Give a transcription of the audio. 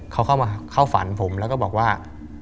เขาเข้าฝันผมแล้วก็บอกว่า